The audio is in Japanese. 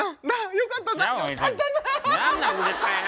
よかったな？